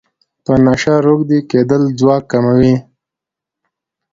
په نشه روږدی کیدل ځواک کموي.